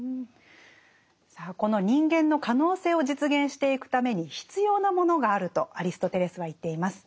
さあこの人間の可能性を実現していくために必要なものがあるとアリストテレスは言っています。